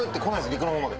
陸の方まで。